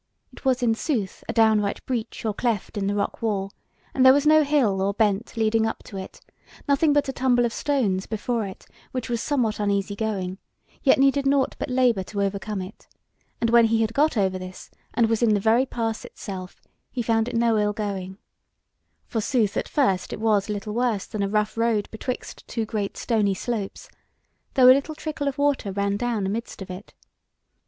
It was in sooth a downright breach or cleft in the rock wall, and there was no hill or bent leading up to it, nothing but a tumble of stones before it, which was somewhat uneasy going, yet needed nought but labour to overcome it, and when he had got over this, and was in the very pass itself, he found it no ill going: forsooth at first it was little worse than a rough road betwixt two great stony slopes, though a little trickle of water ran down amidst of it.